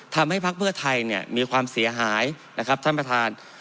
ภักดิ์เพื่อไทยเนี่ยมีความเสียหายนะครับท่านประธาน